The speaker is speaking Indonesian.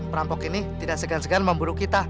perampok ini tidak segan segan memburu kita